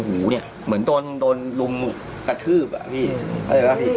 อังหูเนี่ยเหมือนโดนลุมกระทืบอ่ะพี่เห็นไหมพี่